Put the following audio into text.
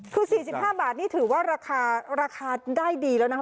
คือ๔๕บาทนี่ถือว่าราคาราคาได้ดีแล้วนะคะ